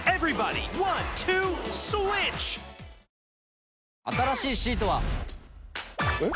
あ新しいシートは。えっ？